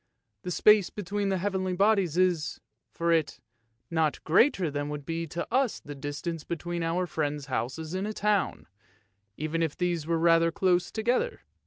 The space between the heavenly bodies is, for it, not greater than would be to us the distance between our friends' houses in a town, even if these were rather close together.